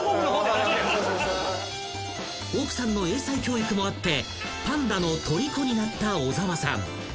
［奥さんの英才教育もあってパンダのとりこになった小澤さん］